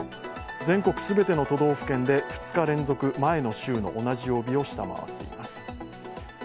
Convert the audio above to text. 全国全ての都道府県で２日連続、前の週の同じ曜日を下回っています。